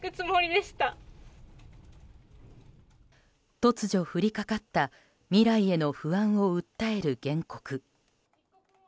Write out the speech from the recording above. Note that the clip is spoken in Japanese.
突如降りかかった未来への不安を訴える原告。